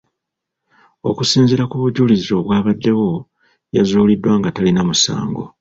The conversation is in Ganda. Okusinziira ku bujulizi obwabaddewo, yazuuliddwa nga talina musango.